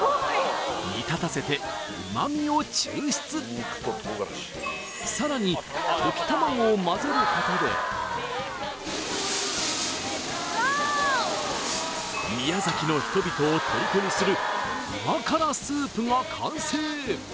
煮立たせて旨味を抽出さらに溶き卵をまぜることで宮崎の人々をとりこにするが完成！